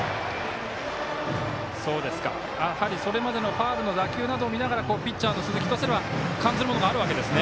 それまでのファウルの打球などを見ながらピッチャーの鈴木とすれば感ずるものがあるんですね。